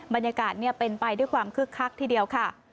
บรรยากาศเป็นไปด้วยความคึกคักทีเดียวค่ะ